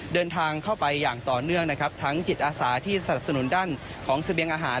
เดินทางเข้าไปอย่างต่อเนื่องนะครับทั้งจิตอาสาที่สนับสนุนด้านของเสบียงอาหาร